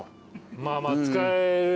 まあまあ使えるね。